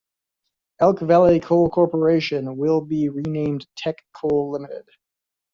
Elk Valley Coal Corporation will be renamed Teck Coal Limited.